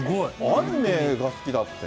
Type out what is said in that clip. アニメが好きだって。